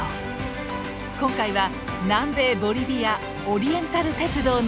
今回は南米ボリビアオリエンタル鉄道の旅。